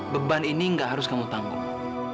beban ini gak harus kamu tanggung